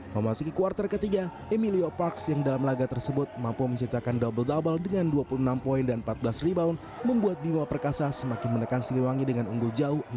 memasuki kuartal ketiga emilio parks yang dalam laga tersebut mampu menciptakan double double dengan dua puluh enam poin dan empat belas rebound membuat bima perkasa semakin menekan siliwangi dengan unggul jauh